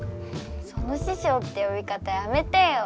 その「師匠」ってよびかたやめてよ。